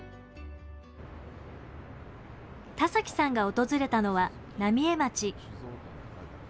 田崎さんが訪れたのは浪江町。